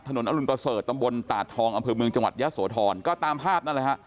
ถนนอรุณเกาะเสอตรงบนตาดทองอำเภอบริมึงจังหวัดยะโสทรก็ตามภาพนั่นแหละฮะ